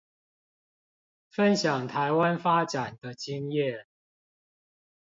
分享臺灣發展的經驗